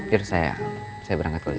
yaudah saya berangkat dulu